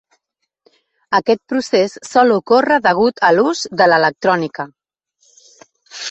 Aquest procés sol ocórrer degut a l'ús de l'electrònica.